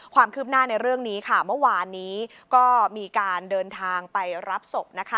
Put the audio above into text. ความคืบหน้าในเรื่องนี้ค่ะเมื่อวานนี้ก็มีการเดินทางไปรับศพนะคะ